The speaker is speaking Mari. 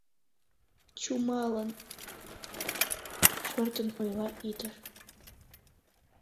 — Чумалын... — шортын ойла ӱдыр.